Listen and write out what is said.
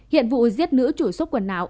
hiện vụ giết nữ chủ sốc quần áo